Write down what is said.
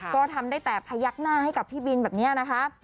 ก็ทำได้แต่พยักหน้าให้กับพี่บินแบบนี้นะคะ